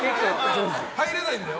入れないんだよ。